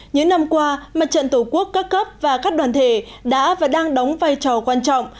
những năm qua mặt trận tổ quốc các cấp và các đoàn thể đã và đang đóng vai trò quan trọng